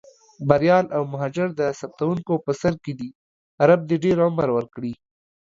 بریال او مهاجر د ثبتوونکو په سر کې دي، رب دې ډېر عمر ورکړي.